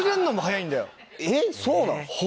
えっそうなんすか？